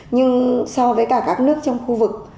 nhưng so với cả các nước trong khu vực